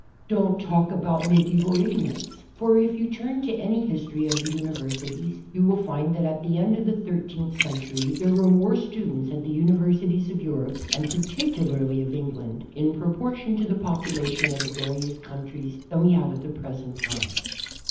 Don't talk about medieval ignorance, for if you turn to any history of the universities you will find that at the end of the thirteenth century there were more students at the universities of Europe and particularly of England, in pro portion to the population of the various countries, than we have at the present time.